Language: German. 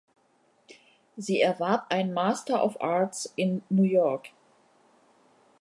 Sie erwarb einen Master of Arts in New York.